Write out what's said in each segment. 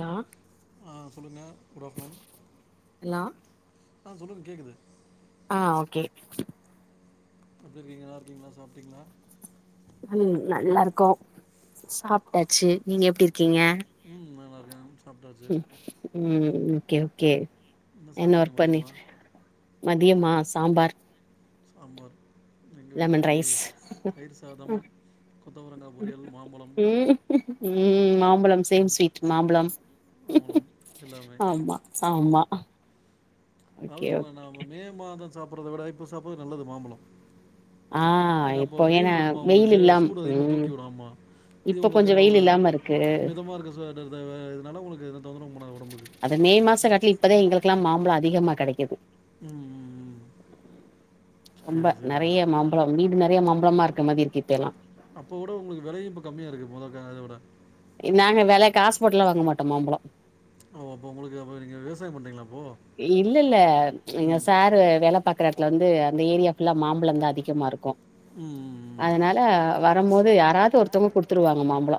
லா ஆ சொல்லுங்க good afternoon hello ஆ சொல்லுங்க கேக்குது ஆ ஓகே எப்டி இருக்கீங்க, நல்லா இருக்கீங்ளா? சாப்டீங்ளா? ம் நல்லாருக்கோ சாப்டாச்சு நீங்க எப்டி இருக் ம் நல்லாரு க்கே ம் ம் ம் கே ஓகே என்ன சாப்பிட்டீங்க ஒர்க் பண்ணி மதியமா ம தியமா சாம்பார் சாம்பார் எங்கள் வீட்டில் லெமன் இன்னைக்கு ரைஸ் தயிர் சாதம் கொத்தவரங்காய் பொரியல் மாம்பழம் ம் ம் மாம்பழம் சேம் ஸ்வீட் மாம்பழம் மாம்பழம் எல்லாமே ஆமா ஆமா ஆ அதாவ்து நம்ம நாம மே மாத சாப்புர்றத விட இப்ப சாப்புறது நல்லது மாம்பழம் ஆ ஏன்னா அப்போ இப்பொ வெயில் ஏனா இருக்குமா வெயில் உங்களுக்கு இல்லாம் சூடு அதிகமாக ம் தூக்கி விடாமா இது இப்ப கொஞ்சோ உங்கள்க்க வெயில் ஒரு இல்லாம இருக்கு மிதமா இருக்க [unintelligible] உங்களுக்கு எந்த தொந்தரவும் பண்ணாது உடம்புக்கு அது மே மாசங்காட்லு இப்பதா எங்களுக் லா மாம்பழ அதிகமா கெடைக்கிது ம் ம், ம். ரொம்ப சரி நெறைய சரிங்க மாம்பழம் வீடு நெறைய மாம் பழமா இருக்க மாரி‌இருக்கு இப்பயல்லா அப்போவுட உங்களுக்கு விலையு இப்ப கம்மியா இருக்கு மொத காத வுட நாங்க வெல காசு போட்டுல்லா வாங்க மாட்டோ மாம்பழொ ஓ அப்ப ஒங்களுக்கு அப்ப நீங்க விவசாயம் பண்றீங்களா அப்போ இல்லெல்ல எங்க சாரு வேல பா க்குற எடத்துல வந்து அந்த ஏரியா ஃபுல்லா மாம்பழந்தா அதிகமாக இருக்கு ம் அதனால வரம்போது யாராது ஒருத்தவ்ங்க குடுத்துருவாங்க மாம்பழ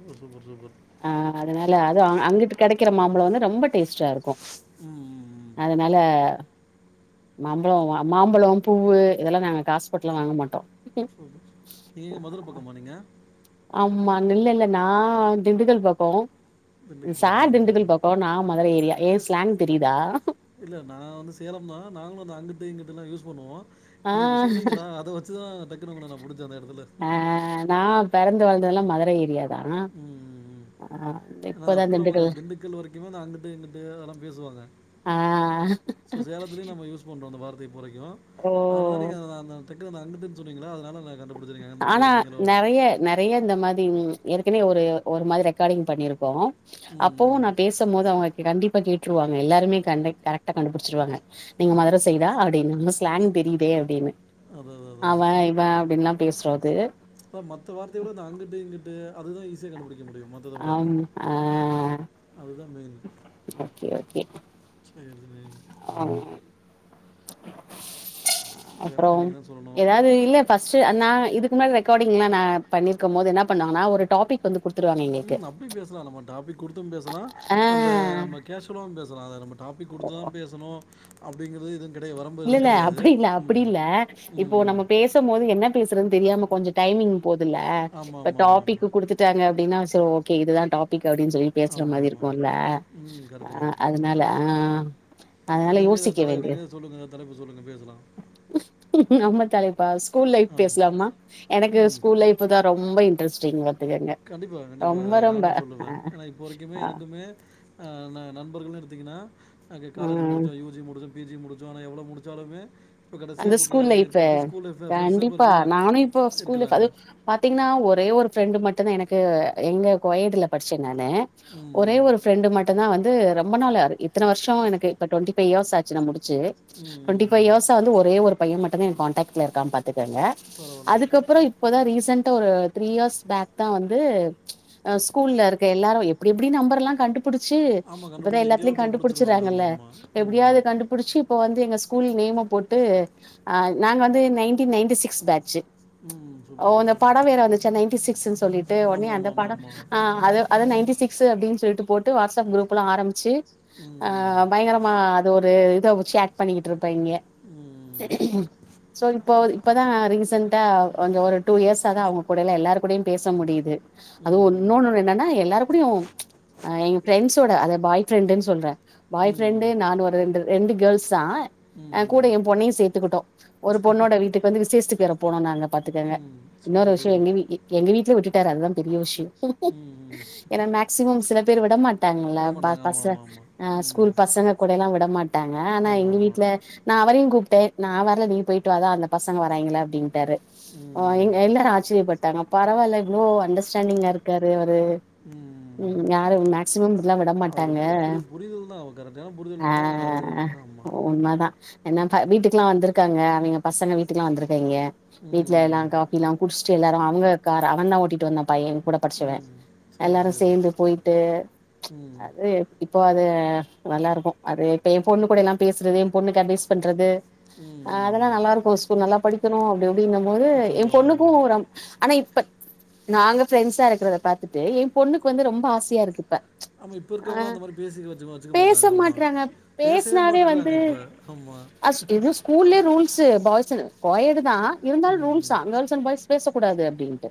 ம் சூப்பர் சூப்பர் சூப்பர் ஆ அதனால அது அங்கிட்டு கெடை க்கிற மாம்பழ வந்து ரொம்ப டேஸ்ட்டா இருக்கு ம் ம், ம் அதனால மாம்பழொ வ மாம்பழோ பூவு இதெல்லா நாங்க காசுபோட்லா வாங்க மாட்டோ சூப்பர் சூப்பர் நீங்கெங்க மதுர பக்கமா நீங்க? ஆம்மா நில்லெல்ல நா திண்டுக்கல் பக்கொ திண்டுக்கல் சார் சரி சரி திண்டுக்கல் பக்கொ நா மதுர ஏரியா ஏ ஸ்லாங் தெரியிதா? இல்ல நா வந்து சேலம் தா நாங்களு இந்து அங்கிட்டு இங்கிட்டுல்லா யூஸ் பண்ணுவோ ஆ நீங்க இப்ப சொன்னீங்களா அத வச்சுதா டக்குனு ஒங்கள நா புடிச்ச அந்த எடத்துல ஆ நா பெறந்து வளந்ததெல்லா மதுர ஏரியா தா ம் ம் ஆ ம் [unintelligible] திண்டுக்கல் வரைக்குமேந்த அங்கிட்டு இங்கிட்டு அதெல்லா பேசுவாங்க ஆ சோ சேலத்திலயு நம்ம யூஸ் பண்றோ அந்த வார் [unintelligible] அதுனாலதா ஓ நீங்க த அந்த [unintelligible] ந அங்கிட்டுன் சொன்னீங்களா அதுனால நா கண்டு ஆனா நறைய நறைய இந்த மாரி ம்‌ இரு க்குனே ஒரு ஒரு மாரி ரெக்கார்டிங் பண்ணிருக்கோ ம் அப்பவு ம். நா பேசும்மோது அவுங்க கண்டிப்பா கே ட்ருவாங்க எல்லாருமே கண்டெ கரெக்டா கண்டுபுடுச்சிருவாங்க. நீங்க மதுர சைடா அடின்னு ஸ் லாங் தெரியிதே அப்டின்னு அவ இவ அப்டின்லாம் ப மத்த வார்த்தை விட இந்த அங்கிட்டு இங்கிட் டு அதுதா ஈசியா கண்டுபிடி ஆம் அ அதுதான் மெயின் ஓகே ஓகே சரி சரி அ அப்றோ வேறு நீங்கள் தான் சொல்லணும் எதாது இல்ல ஃபஸ்ட்டு அன் நா இதுக் [unintelligible] ரெக்கார்டிங்லா நா பண்ணிருக்கம்மோது என்னா பண்வாங்கனா ஒரு டாபிக் வந்து குடு ம் அப்டி பேசலா நம்ம டாபிக் குடுத்தும் பேசலா நம்ப ஆ நம்ம கேஷ்வலாவும் பேசலா அத நம்ப டாபி குடுத்து தா பேசணு அப்டிங்கிறது இது இல்லல்ல அப்டி இல்ல அப்டி இல்ல இப்போ ம் நம்ம பேசம் போது என்ன பேசுறது தெரியாம கொஞ்ச டைமிங் போதுல்ல ஆமாம் ஆமாம் ஆமாம் டாபிக் ஆமாம் குடுத்துட்டாங்க அப்டின்னா ஓகே இதுதா டாபிக் து அப்டின் சொல்லி பேசுற ஆமாம் மாரி ஆமாம் ஆமாம் இருக்குல்ல ம் கரெக்டு ஆ கரெக்டு அதனால ஆ அதனால யோசிக்க வேண்டியிருக் சொல்லுங்க பேசலா த்தலைப் ப ஸ்கூல் லைஃப் பேஸ்லாமா எனக்கு ஸ்கூல் லைஃப் தா ரொம்ப இன்ட்ரெஸ்ட் சயிங்க கண்டிப்பா கண்டிப்பா நானு சொல்லுவே ஏன்னா இப்போ வரைக்குமே ஆ ஆ எனக்குமே அ நா புனுஎடுத்தீங்கன்னா எனக்கு காலேஜ் ம் முடிச்சொ யூ ஜி முடிச்சு பி ஜி முடிச் ஆனா எவ்ள முடிச்சாலுமே அந்த ஸ்கூல் லைஃபு தான் இப்போ கண்டிப்பா இருக்கு நானு இப்ப ஸ்கூல இருக்கிறாங்க அது பாத்தீங்கன்னா ஒரே ஒரு ஃரெண்டு மட்டுந்தா எனக்கு எங்க கோயட்டு படிச்ச நானு ம் ஒரே ம். ஒரு ஃப்ரண்டு மட்டுமந்தா வந்து ந்து ரொம்ப நாளவது இத்தனை வருஷ எனக்கு டொன்டிஃபைய் யேர்ஸ் ஆச்சுமுடி சு ம் டொன்டி ம், ஃபைவ் ம். எர்ஸ் ஒரே ஒரு பைய மட்டு தா எ கண்டக்ட் இருக்கா பாத் ருத்துங்க பரவாயில்ல அதுக்கப்புற இப்பதா recent two three years back தா வந்து ச் ஸ்கூல்ல இருக்க எல்லாரு எப்டி எப்டி நம்பர்ல்லா கண்டு பு டிச்சு ஆமாம் இப்பதா கண்டுபிடிச்சி எங்கேயோ எல்லாத்தையு ஒருத்தர் பிடிச்சிருவாங்க கண்டுபிடிச்சறாங்கல்ல ஆமாம் ஆமாம் ம் எப்டியாவது கண்டுபிடிச்சு இப்ப வந் எங்க ஸ்கூல் நேம போட்டு டு நாங்க வந்து நைன்டின்நைன்டி சிக்ஸ் பேட்ச் ம் ஓ சூப்பர் அந்த சூப்பர் பட வேற வந்துச்ச நைன்டி சிக்ஸ்ன்னு சொல்லிட்டு உடனே ஆமாம் அந்த ஆமாம் பட ஆமாம் ஆமாம் ஆ அத நைன்டி சிக்ஸ் அப்டினு சொல்ல ல்டு போட்டு வாட்ஸ்அப் குரூப்லா ஆரம்ச்சு ஆ ம், பயங்கரமா அது ஒரு இத ஷேட் பண்ணிக்கிட்டு இருப்பாய்ங்க ம், சோ இப்போ இப்பதா ரீசன் டா கொஞ்ச ஒரு டூ இயர்ஸ் ஆ தா அவங்க கூட எல்லாரு கூட பேச முடியுது அது ஒன் ம், இன்னொன்னு என்னன்னா எல்லா கூடையு எங்க ஃப்ரெண்ட்ஸ் சொட அத பாய்ஃப்பிரன்டு சொல்றேன் பாய் ஃப்ரெண்டு ம், நான் ஒரு ரெண்டு ரெண்டு கேள்ஸ் [unintelligible] ம், கூட என் பொண்ணையும் சேர்த்துக்கிட்டோம் ஒரு பொண்ணோட வீட்டுக்கு வந்து விசேஷத்துக்கு வேற போனோ நாங்க பாத்துக்கங்க ம். இன்னொரு சூப்பர் விஷயம் சூப்பர் எங்க வீட்டுல விட்டுட்டு சார் அதான் பெரிய விஷயம் ம் [inaudible] ஏன்னா மேக்சிமம் சிலப்பு பேறுவிட மாட்ட [unintelligible] விட்டாங்கல்ல விட ப மாட்டாங்க ஆமாம் பசங்க ஆமாம் ஆமாம் அஹ் ம் ஸ்கூல் பசங்க கூட எல்லாம் விட மாட்டாங்க ஆனா ஆமாம் எங்க ஆமாம் வீட்டுல கூப்பிட்டேன் நான் வரல நீ போயிட்டு வா அதா அந்த பசங்க வறாங்களா அப்படின்டாரு ஆ ம் இங்க எல்லாரும் ஆச்சரியப்பட்டாங்க பரவால்ல எவ்ளோ அண்டர்ஸ்டாண்டிங்கா இருக்காரு ம் யாரும் மேக்சிமம் இப்டிலாம் விட அது மாட்டாங்க இப்போ புரி புரிதல் தான் அவள் கரெக்டான புரிதல் இருந்தால் நான் இது ஆஹ் இருக்கு ஆமாம் உண்மதான் என்ன வீட்டுக்கெல்லாம் வந்திருக்காங்க அவிங்க பசங்க வீட்டுகெல்லாம் வந்திருக்காங்க ப்பங்க வீட்டுல ம் எல்லாம் காபி எல்லாம் குடிச்சட்டு எல்லாரும் அவங்க கார் அவன்தா ஓட்டீட்டு வந்தா பையன் கூட படிச்சவன் ம் சரி எல்லாரும் சரி சேர்ந்து சரி போய்ட்டு ம் அது இப்போ அது நல்லா இருக்கும் அது இப்ப என் பொண்ணு கூட எல்லாம் பேசுறது என் பொண்ணுக்கு அட்வைஸ் பண்றது ம் அஹ் ம், அதெல்லாம் நல்லா இருக்கும் ஸ்கூல் நல்லா படிக்கணும் அப்படி அப்படின்னும் போது ம் என் சொல்லுவாங்க பொண்ணுக்கும் ஆமாம் ஒரு ஆனா இப்ப நாங்க ப்ரெண்ட்ஸா இருக்கிறத பாத்துட்டு என் பொண்ணுக்கு வந்து ரொம்ப ஆசையா இருக்கு இப்ப ஆமா இப்ப ஆ இருக்கவங்களா அந்த மாதிரி பேச வச்சு வச்சுக்க பேச மாட்டாங்க ஆம்மா மாட்றாங்க பேசவே மாட்டேக்கறாங்க இப்ப அ இது ஸ்கூல்லயே ரூல்ஸ் பாய்ஸ் பிரச்ச கோயடு தான் இருந்தால் ம் ரூல்ஸ் [unintelligible] பாய்ஸ் பேச கூடாது அப்படின்ட்டு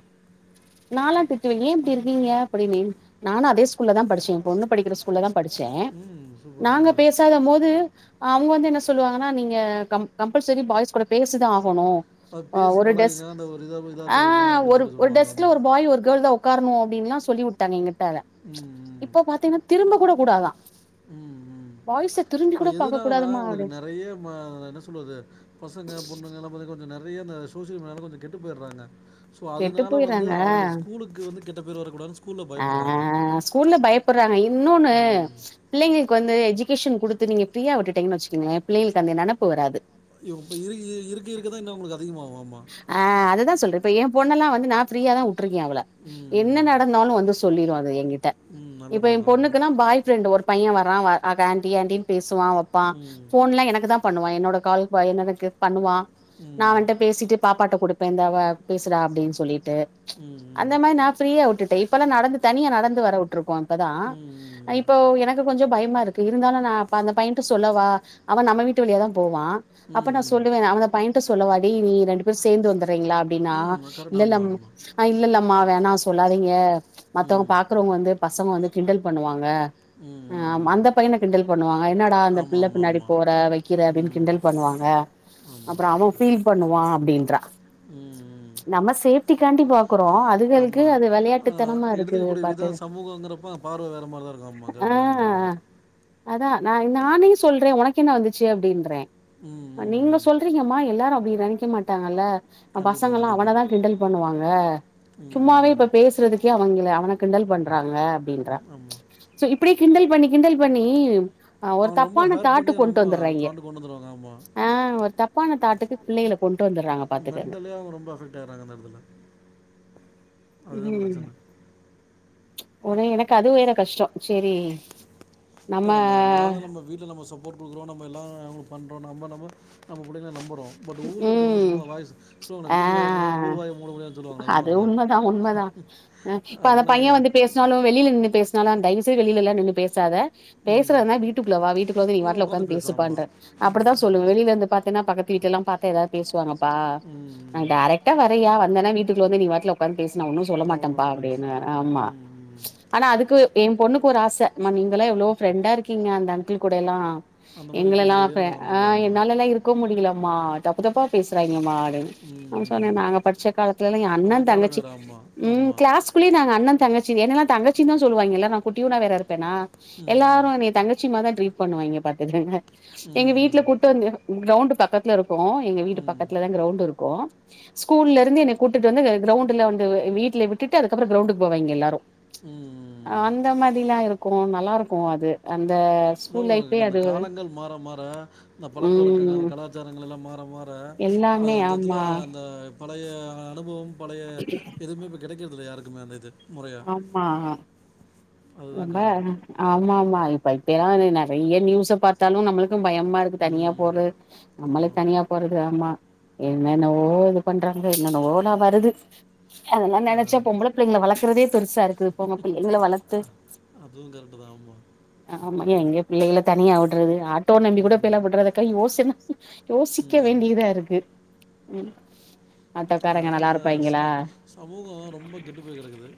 நாலா திட்டுவே ஏன் இப்டி இருக்கீங்க அப்படீனு நானும் அதே ஸ்கூல்ல ஸ்கூல்ல தான் படிச்சேன் ஏ பொண்ணு படிக்கிற ஸ்கூல்ல தான் படிச்சேன் ம் சூப்பர் ஆ நாங்க பேசாத போது அவங்க வந்து என்ன சொல்லுவாங்கன்னா நீங்க கம்பல்சரி பாய்ஸ் கூட பேசிதான் ஆகணும் அது பேசி ஒரு பழகுங்க டெஸ்க் அந்த ஒரு இதாக இதாக இருக்காதீங்க ஆஹ அப்படின்னு ஒரு சொல்லி ஒரு சொல்லுவாங்க டெஸ்க்ல ஆமாம் ஒரு பாய் ஒரு கேர்ள் தா உக்காரணும் அப்படின்லா சொல்லி விட்டாங்க ம் ம் இப்போ பாத்தீங்கன்னா திரும்ப கூட கூடாதான் ம் ம் பாய்ஸ்ச திரும்பி கூட அது பாக்க எதனாலனா கூடாதுமா உங்களுக்கு அப்டி நிறைய இப்ப என்ன சொல்றது பசங்க பொண்ணுங்கல்லாம பாத்தின கொஞ்ச நெர நிறைய அ சோசிய மீடியாவால கொஞ்ச கெட்டு போய்றாங்க சோ கெட்டு அதனால வந்து போயிறாங்க அவங்க ஸ்கூலுக்கு வந்து கெட் ட்டபெரு வரக்கூடாது ஆ ஸ்கூல்ல பயப்பட்றாங்க இ இன்னொன்னு ம் பிள்ளைங்களுக்கு வந்து எஜூ டூஷன் குடுத்து நீங்க ஃப்ரீயா விட்டுட்டீங்கன்ன வச்சக்கங்கள பிள்ளைகள்ட்ட அந்த நெனப்பு வராது இ இப்ப இருக்கு இருக்கு இருக்குதா என்ன உங்களுக்கு அப் ஆ அததா சொல்ற இப்ப எ பொண்ணல்லா வந்து நா ஃப்ரீயா தா ட்ருக்கே அவள ம் என்ன ம் நடந்தாலு வந்து சொல்லிருவா ட்ரஎங்கி ட்ட ம் நல்ல இப்ப எ பழக்கம் ஆமாம் பொண்ணுக்குனா பாய் ப்ரெண்ட் ஒரு பைய வரா ஆண்டி ஆண்டின்னு பேஸ் பேசுவா வப்பா ம் போன்லா எனக்கு தா பண்ணுவா என்னோட கால் பையநெனக்கு பண்ணுவா ம் பேசிட்டு பாப்பாட்ட கொடுப்பே இந்தாவ பேசுறா அப்டின் சொல்லிட் டு ச் ம் ம் அந்த மாரி நா ஃப்ரீயா விட்டுட்டே இப்பெல்லா நடந்து தனியா நடந்து வர உட்ருக்கோ இப்பதா இப்போ எனக்கு கொஞ்ச பயமா இருக் கு இருந்தாலு நா அந்த பையன்ட்ட சொல்லவா அவ நம்ம வீட்டு வழியாதா போவா ம் அப்ப நா ம் சொல்லுவே அவந்த பயன்ட்ட சொல்லவா நீங்க ரெண்டு பேர் சேர்ந்து வந்த ந்தர்ங்களா அப்டிங்களா ம் ம் கரெக்ட் அப்டினா ஆமாம் ஆமாம் இல்லல் இல்லல்ல வேணா சொல்லாதீங்க மத்தவங் ம் பாக்குறவங்க வந்து பசங்க வந்து கிண்டல் பண்ணுவாங்க ம் ம் ஆ ம் அந்த பையன கிண்டல் பண்ணுவாங்க என்னடா அந்த ஆமாம் பிள்ள ஆமாம் பின்னாடி ஆமாம் போற வெக்கிற அப்டினு ம் கிண்டல் பண்ணுவாங்க அப்ற ஆமாம் அவ பீல் வா அப்டின்றா ம் ம் நம்ம சேஃப்டிகாண்டி பாக்கறோ அதுகளுக்கு ஆமாம் அது விளயாட்டுத்தனமா இருக்கு எடுத்துக்கக்கூடிய பாத்து விதம் சமூகங்கிறப்ப பார்வை வேறு மாதிரி தான் இருக்கும் ஆமாம் ஆ கரெக்டாக தான் நீங்கள் சொல்கிறது அதா நா நானே சொல்றே உனக்கு என்ன வந்துச்சு அப்டின்றே ம் ம் நீங்க ம் சொல்றீங்கம்மா எல்லாரும் நெனைக்க மாட்டாங்கல கண்டிப்பாக பசங்கலாம் கண்டிப்பாக அவனதான் கிண்டல் பண்ணுவாங்க சும்மாவே ம் இப்ப பேசுறதுக்கே அவங்கள அவ கிண்டல்பண்றா ங்க அப்டின்றா ஆமாம் ச்சு சோ இப்டியே கிண்டல் பண்ணி கிண்டல் பண்ணி ஹ ஒரு அவங்கள ரொம்ப தப்பான ஹர்ட் தாட்டு பண்ணி கொண்டு ரொம்ப வந்துடுறேங்க தாண்டு கொண்டு வந்துடுவாங்க ஆஹ் ஒரு தப்பான தாட்டுக்கு பிள்ளைகள கொண்டு வந்துடுறாங்க பாத்துக்கங்க மென்டலியா அவங்க ரொம்ப அஃபெக்ட் ஆயறாங்க அந்த இடத்துல அதுதான் பிரச்சனை உன எனக்கு அதுவும் வேற கஷ்டம் சரி இல்ல நம் என்னத நம்ம வீட்டுல நம் சப்போர்ட் கொடுக்குறோ நம்ம நம்ம எல்லாம் நம பண்ணுறோம் நம்ம நம்மம்ம பிள்ளை நம்புறோம் [unintelligible] உம் வீட்டு வாயை மூடாலும் ஆஹ் ஊர் வாயை மூட முடியாதுன்னு சொல்லுவாங்களே அது மாதிரி தான் உண்மைதான் உண்மைதான்ஹ இப்ப அந்த பையன் அதனால் வந்து பேசினாலும் வெளியில நின்று பேச [unintelligible] நனால தயவுசெய்து வெளிலல்லாம் நின்னு பேசாத ம் பேசுறதுனா வீட்டுக்குள்ள வா வீட்டுள்ள நீ அவ்வளோ வல உட்காந்து உடாந்து பேசாமா ம் அப்படிதான் சொல்லுவ வெளியில இருந்து பாத்தீன்னா பக்கத்து வீட்டு எல்லாம் பாத்தா ஏதாவது பேசுவாங்க நான் ம் டைரக்டா வரையா வந்தேன்னா வீட்டுக்குள்ள வந்து நீ க்க [inaudible] பே ஒன்னும் சொல்ல மாட்டேன்ப்பா அவ்வளோதான் முடிஞ்சு அப்படின்னு ஆமா ம் ம். ஆனா அதுக்கு என் பொண்ணுக்கு ஒரு ஆசை நீங்காம் எவ்வளோ ஃப்ரெண்டா இருக்கீங்க அந்த அங்கில்கூட எல்லாம் அந்த மாதிரி இருக்க எங்கல்லாம் முடியலன்னு ஆப்பறேன் அவங்களுக்கு ஆஹ் ஆமாம் என்னால எல்லாம் இருக்க முடியலமா தப்புதப்பா பேசுறாங்கம்மா ம் சொன்னறேன் நாங்க படிச்ச காலத்து அந்த அண்ணன் காலம் தங்கச்சி வேறு ஆமாம் உம் ஆமாம் கிளாஸ்குள்ளயே நாங்க அண்ணன் தங்கச்சி என்னாம் தங்கச்சி தான் சொல்லாங்கல்ல ந குட்டிடா வேறது னா ம் எல்லாரும் என்ன தங்கச்சி மா தான் டீரீட்பண்ணுவாங்க பாத்துங்க எங்க வீட்டுல ம் கூட்டட்டு வந்து கிரௌண்ட் [unintelligible] பக்கத்ல இருக்கும் எங்க வீட்டு ம் பக்கத்துலதான் கிரௌண்ட் இருக்கும் ஸ்கூல்ல இருந்து என்னை கூட்டிட்டு வந்து கிரௌண்ட்ல வந்து வீட்டுல விட்டுட்டு அதுக்கப்புறம் கிரௌண்டுக்கு போவாங்க எல்லாரும் ம் அஹ் ம் அந்த மாதிரிலாம் இருக்கும் க்கும் நல்லா இருக்கும் அது அந்த ஸ்கூல் அளவு லைஃப்லயே அந்த அது காலங்கள் மாற மாற இந்த பழக்க வழக்கங்கள் ம் கலாச்சாரங்கள் எல்லாம் மாற மாற அது எல்லாமே ஆமா அந்தத்துல அந்த அது பழைய அனுபவம் பழைய எதுவுமே இப்ப கிடைக்கிறது இல்லை யாருக்குமே அது [unintelligible] ஆமா அதுதான் ரொம்ப காரணம் ஆமா ஆமா இப்ப இப்பயெல்லாம் நிறைய நியூஸ்ச பார்த்தாலும் பயமா இருக்கு தனியா ம் போறது நம்மளே ஆமாம் தனியா போறது ஆமா என்னென்னவோ இது பண்றாங்க என்னென்னலாம வருது அதெல்லாம் நினைச்சா பொம்பள பிள்ளைங்களை வழக்குறதே பெருசா இருக்கு பொம்பள பிள்ளைங்களை வளர்த்து அதுவும் கரெக்டு தான் ஆமாம் ஆமா எங்க பிள்ளைகளை தனியா விடுறது ஆட்டோ நம்பி கூடெல்லாம் விடுறதுக்கே யோசிக்க ம் வேண்டியதா இருக்கு உம் அதனால அந்த சமூகம் ரொம்ப கெட்டு போய் கிடைக்குது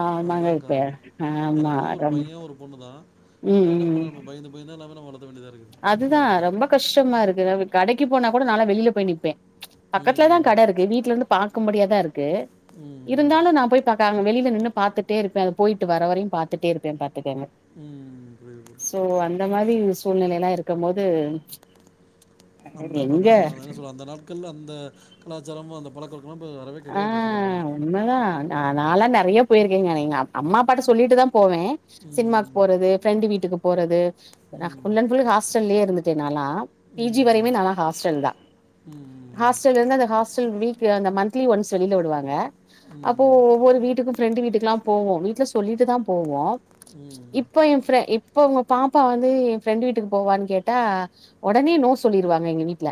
ஆஹ் மங்க பேர் ஆஹ் ஆமா ஒரு ஆம் பையன் ஒரு [unintelligible] பொண்ணு தான் என்ன பண்றது நம்ம பயந்து பயந்தான் [unintelligible] அதுதான் ரொம்ப கஷ்டமா இருக்கு நமக்கு கடைக்கு போன கூட நான் வெளியே போய் நிப்பேன் பக்கத்துலதான் ம் கடை இருக்கு வீட்டுல இருந்து பாக்க முடியாது ம் ம் ம் இருந்தாலும் நான் போய் பாக்க வெளியில நின்னு பாத்துட்டே இருப்பேன் அது போயிட்டு வரவரைய பாத்துட்டே இருப்பேன் ம் புரியுது புரியுது சோ அந்த மாதிரி சொல்ல [unintelligible] இருக்கும்போது அந்தப்ப தான் என்ன சொல்றது அந்த நாட்கள்ல அந்த கலாச்சாரம் அந்த பழக்க வழக்கம் இல்லாம் வரவே கிடையாது சொல்ல போனா நாலாம் நிறைய போயிருக்கேங்க எங்க அம்மா அப்பா கிட்ட சொல்லிட்டுதான் போவன் சினிமாக்கு ம் போறது ஃப்ரெண்டு வீட்டுக்கு போறது நான் ம் ஃபுல்லன் ஃபுல் ஹாஸ்டல்லே இருந்துட்டேன் நான்லா பிஜி ம் வரையவும் நான் ஹாஸ்டல் தான் ம் ஹாஸ்டல் இருந்து ஹாஸ்டல் வீக் வீக்லி ஒன்ஸ் வெளிய விடுவாங்க அப்போ ம் ஒவ்வொரு வீட்டுக்கும் ஃப்பிரெண்டு வீட்டுக்கெல்லாம் போவோம் வீட்டில சொல்லிட்டு தான் போவோம் ம் இப்ப என் ஃப்ர இ ப்ப உங்க பாப்பா வந்து ஏன் ஃப்ரெண்ட் வீட்டுக்கு போவவான்னு கேட்டா உடனே நோ சொல்லிருவாங்க எங்க வீட்ல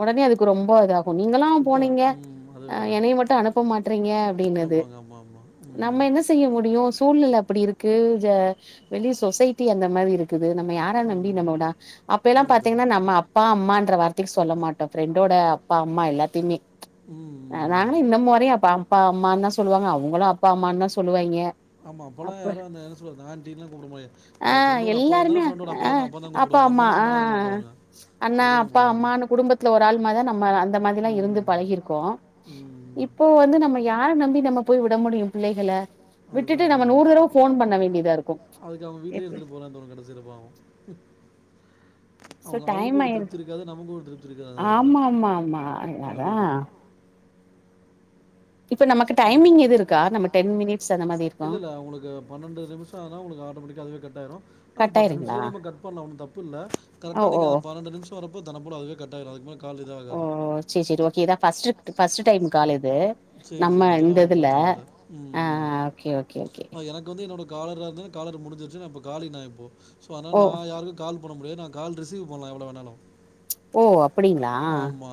உடனே அதுக்கு ரொம்ப இதா கு நீங்கல்லா ஸ்ட்ரிக்டா போனீங்க ம் அது ஆ வேற என்னைய மட்டு அனுப்ப மாட்றீங்க அப்டின்னுது கேட்பாங்க ஆமாம் ஆமாம் நம்ம ம் என்ன செய்ய முடியு சூழ்நில அப்படி இருக்கு ஜ வெளிய சொசைட்டி அந்த மாதிரி இரு க்குது நம்ம யார நம்பி ஆமாம் நம்மோட அப்பெல்லா விட முடியல பாத்தீங்கன்னா நம்ம அப்பா அம்மான்ற வார் த்தைய சொல்ல மாட்டோ ஃப்ரெண்டோட அப்பா அம்மா எல்லாத்தயுமே ம் ஆ ம் நாங்களு இந்த மாரியே அப்ப அப்பா அம்மான்னுதா சொல்லுவாங்க அவங்களு அப்பா அம்மான்னுதா சொல்லுவாய்ங்க ஆமாம் அப்போல்லாம் அப்ப யாரும் அந்த என்ன சொல்கிறது ஆண்டிலாம் கூப்பிட முடியாது ஆ அது ஃப்ரெண்டோட அப்பா எல்லாருமே வந்தாலும் ஃப்ரெண்டோட அப்பா ஆ வந்து தான் அப்பா கூப்பிடுவாங்க அம்மா அம்மானா ஆ அம்மானா தான் கூப்பிடுவாங்க அண்ணா அப்படி தான் அப்பா கூப்பிடுவாங்க அம்மான்னு குடும்பத்துல ஒரு ஆளு மாரிதா நம்ம அந்த மாதிரிலா இருந்து ம் பழகிருக்கோ ம் இப்போ வந்து நம்ம யார நம்பி நம்ம போய் விட முடியு பிள்ளைகள? அதுதா விட்டுட்டு நம்ம பயோ நூறு தடவ ஃபோன் பண்ண வேண்டியதா இருக்கு அதுக்கு அவங்க வீட்லயே இப்ப இருந்துட்டு போலான் தோணு கடைசில பாவோ சோ அவங்க டைம் அவுளுக்கு ஒரு ஆயிரு திருப்தி இருக்காது நமக்கு ஒரு திருப்தி இருக்காது அந்த எடத்துல ஆமா ஆமா ஆமா அனுப்பி அதா விட்டுட்டு இப்ப நமக்கு டைமிங் எது இருக்கா நம்ம டென் மினிட்ஸ் அந்த மாரி இருக்கு இல்ல இல்ல உங்களுக்கு பன்னெண்டு நிமிஷோ ஆனோ உங்களுக்கு ஆட்டோமேட்டிக்கா அதுவே கட் டாயிரு ஆனா கட் பத்து ஆயிருங்களா நிமிஷத்துலயு நம்ம கட் பண்லா ஒன்னு தப்பில்ல ஓ கரெக்டா ஓ நீங்க பன்னெண்டு நிமிஷோ வர்றப்போ தன்ன போல அதுவே கட்டாயிரு அதுக்கு மேல ஓ சேரி சேரி ஓகே இதா first to first time call இது சேரி நம்ம சேரி அதெல்லா இந்த ஒன்னு இதுல பிரச்சன இல்ல ம் ஆ ம் ஓகே ஓகே ஓகே அ எனக்கு வந்து என்னோட காலரா இருந்தே காலர் முடிஞ்சிருச்சு நா இப்போ காலி நா இப்போ சோ அதனால ஓ நா யாருக்கு கால் பண்ண முடியாது நா கால் ரிசீவ் பண்லா எவ்ளோ வேண்ணாலு ஓ அப்படிங்களா?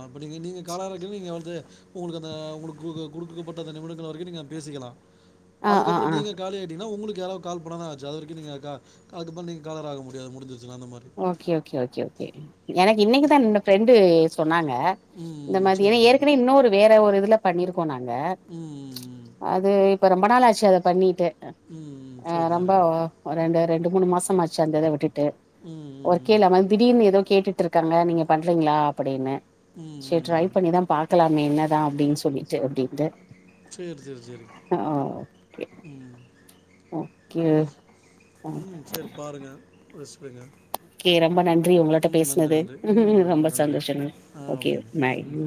இப்ப நீங்க நீங்க காலரா இருக்கயில நீங்க வந்து உங்களுக்கு அந்த உங்களுக்கு உங்களுக்கு குடுக்கப்பட்ட அந்த நிமிடங்கள் வரைக்கு நீங்க பேசிக்கலா ஆ ஆ அதுக்கப்பறோ ஆ நீங்க காலி ஆயிட்டீங்கன்னா உங்களுக் கு யாராவது கால் பண்ணாதா ஆச்சு அதுவரைக்கு நீங்க கா அதுக்கப்பறோ நீங்க காலர் ஆக முடியாது முடிஞ்சிரு ஓகே ஓகே ஓகே ஓகே ம் எனக்கு இன்னைக்குதா என்னோட ஃபிரெண்ட் டு சொ ன்னாங்க இந்த ம். மாதிரி சரி, ஏன்னா சரி. ஏற்கனவே இன்னொரு வேற ஒரு இதுல பண்ணிருக்கோ நாங்க ம், ம், ம். அது இப்ப ரொம்ப நாள் ஆச் சு அத பண்ணிட்டு அ ம், ம். ஆ சரி, ரொம்போ சரிங்க. ஒ ரெண்டு ரெண்டு மூணு மாஸ் சமாச்ச அந்தத விட்டு [unintelligible] ம், ம், ஒரு ம். கேலாம திடீர்னு ஏதோ கேட்டுட்டு இரு இருக்காங்க நீங்கள் பண்றீங்களா அப்படின்னு ம், சரி ம், ட்ரை ம். பண்ணிதான் பாக்கலாமே என்ன அப்டின்னு சொல்லிட்டு அப்டிட்டு சரி, சரி, சரி. ஆஹே கே ம் ஓகே உம் சேரி பாருங்க பேசு கே ரொம்ப நன்றி உங்களிட்ட நன்றி பேசனது நன்றி ம் ரொம்ப நன்றி சந்தோஷ ஆ கே ஓகேங்க நாய் ம்